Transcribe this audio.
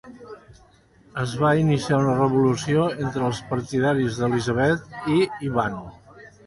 Es va iniciar una revolució entre els partidaris d'Elisabet i Ivan.